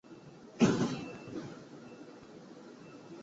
设计人员在进行逻辑设计时尚无需考虑信息单元的具体硬件工艺。